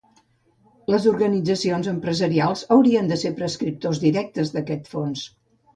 Les organitzacions empresarials hauríem de ser prescriptors directes d’aquest fons.